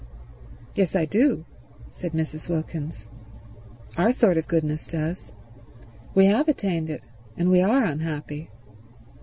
"Yes, I do," said Mrs. Wilkins. "Our sort of goodness does. We have attained it, and we are unhappy.